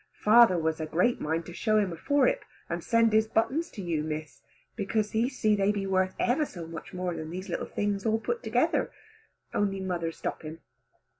Father was a great mind to show him a forehip and send his buttons to you Miss, because he see they be worth ever so much more than these little things all put together, only mother stop him.